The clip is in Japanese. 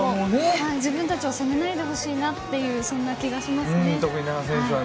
自分たちを責めないでほしいなという気がしますね。